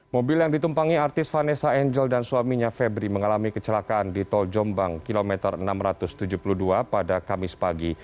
mobil yang ditumpangi artis vanessa angel dan suaminya febri mengalami kecelakaan di tol jombang kilometer enam ratus tujuh puluh dua pada kamis pagi